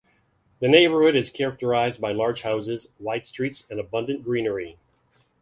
The neighbourhood is characterized by large houses, wide streets and abundant greenery.